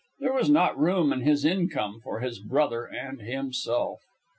There was not room in his income for his brother and himself.